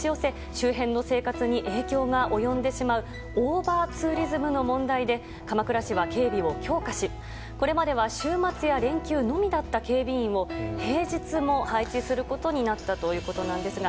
周辺の生活に影響が及んでしまうオーバーツーリズムの問題で鎌倉市は警備を強化しこれまで週末や連休のみだった警備員を平日も配置することになったということなんですが。